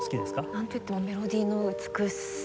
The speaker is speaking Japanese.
なんといってもメロディの美しさ。